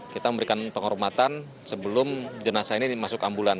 kita memberikan penghormatan sebelum jenazah ini masuk ke ambulan